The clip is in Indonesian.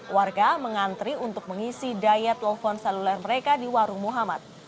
warga mengantri untuk mengisi daya telepon seluler mereka di warung muhammad